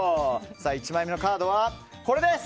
１枚目のカードは縦です！